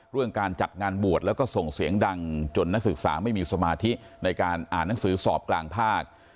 การจัดงานบวชแล้วก็ส่งเสียงดังจนนักศึกษาไม่มีสมาธิในการอ่านหนังสือสอบกลางภาค